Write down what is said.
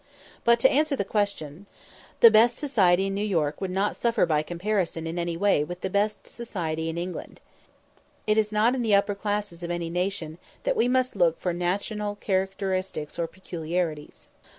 But, to answer the question. The best society in New York would not suffer by comparison in any way with the best society in England. It is not in the upper classes of any nation that we must look for national characteristics or peculiarities.